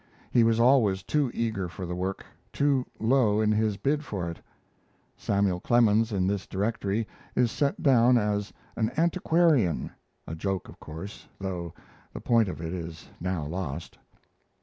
He was always too eager for the work; too low in his bid for it. Samuel Clemens in this directory is set down as "an antiquarian" a joke, of course, though the point of it is now lost.